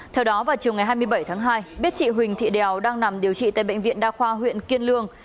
theo đó vào chiều ngày hai mươi bảy tháng hai biết chị huỳnh thị đèo đang nằm điều trị tại bệnh viện đa khoa huyện kiên lương